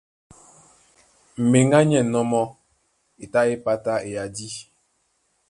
Mbeŋgá ní ɛ̂nnɔ́ mɔ́, e tá é pátá eyadí.